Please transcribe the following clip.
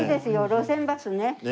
路線バスね。